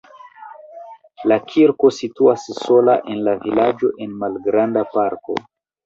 La kirko situas sola en la vilaĝo en malgranda parko.